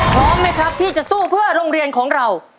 พร้อมไหมครับที่จะสู้เพื่อโรงเรียนของเรา